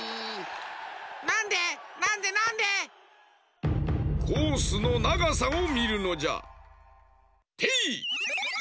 なんでなんでなんで？コースのながさをみるのじゃ。てい！